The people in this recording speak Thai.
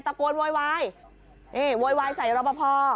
ตะโกนโวยวายโวยวายใส่รปภ